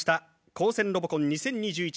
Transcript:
高専ロボコン２０２１